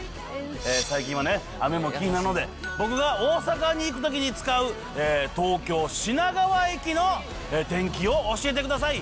最近はね、雨も気になるので、僕が大阪に行くときに使う東京・品川駅の天気を教えてください。